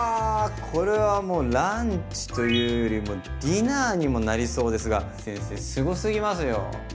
これはもうランチというよりもうディナーにもなりそうですが先生すごすぎますよ。